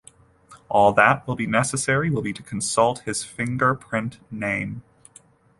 All that will be necessary will be to consult his finger print name.